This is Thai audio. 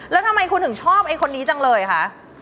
แล้วทำไมคุณถึงชอบไอ้คนนี้จังเลยคะ